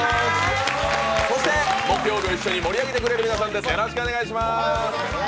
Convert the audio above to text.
木曜日を一緒に盛り上げてくれる皆さんです。